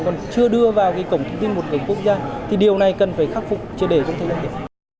còn chưa đưa vào cổng thông tin một cửa quốc gia thì điều này cần phải khắc phục chưa để công ty doanh nghiệp